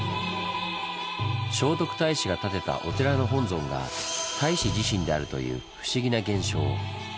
聖徳太子が建てたお寺の本尊が太子自身であるという不思議な現象。